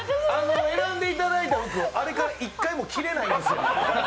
選んでいただいた服をあれから１回も着れないんですよ。